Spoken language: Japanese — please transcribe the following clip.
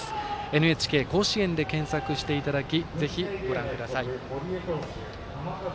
ＮＨＫ甲子園で検索していただきぜひ、ご覧ください。